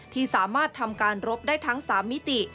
ที่สามารถทำการรบได้ทั้ง๓มิติ